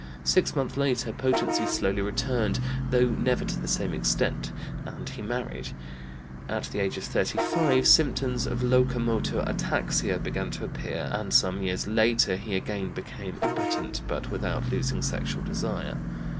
Six months later potency slowly returned, though never to the same extent, and he married. At the age of 35 symptoms of locomotor ataxia began to appear, and some years later he again became impotent, but without losing sexual desire.